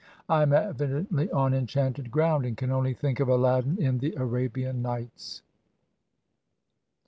I am evidently on enchanted ground, and can only think of Aladdin in the " Arabian Nights."